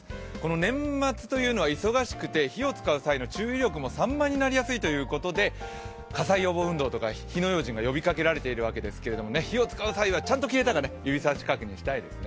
年末というのは忙しくて火を使う際の注意力も散漫になりやすいということで、火災予防運動とか火の用心が呼びかけられているわけですけれども火を使う際はちゃんと消えたか指さし確認したいですね。